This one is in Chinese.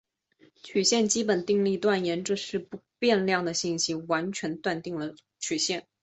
曲线基本定理断言这些不变量的信息完全确定了曲线。